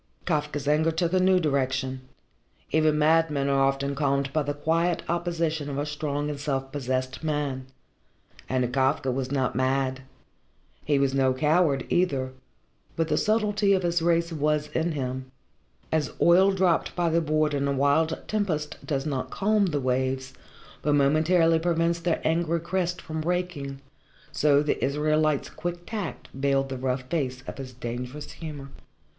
Kafka's anger took a new direction. Even madmen are often calmed by the quiet opposition of a strong and self possessed man. And Kafka was not mad. He was no coward either, but the subtlety of his race was in him. As oil dropped by the board in a wild tempest does not calm the waves, but momentarily prevents their angry crests from breaking, so the Israelite's quick tact veiled the rough face of his dangerous humour.